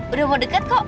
udah mau dekat kok